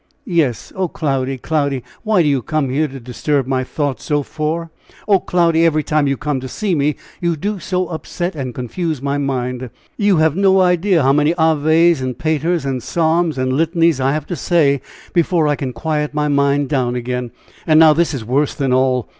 "Yes. Oh, Cloudy, Cloudy! what do you come here to disturb my thoughts so for? Oh, Cloudy! every time you come to see me, you do so upset and confuse my mind! You have no idea how many aves and paters, and psalms and litanies I have to say before I can quiet my mind down again! And now this is worse than all.